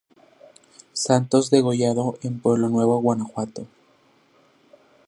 Santos Degollado en Pueblo Nuevo, Guanajuato.